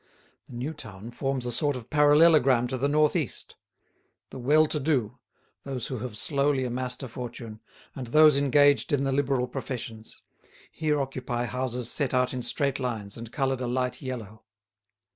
The new town forms a sort of parallelogram to the north east; the well to do, those who have slowly amassed a fortune, and those engaged in the liberal professions, here occupy houses set out in straight lines and coloured a light yellow.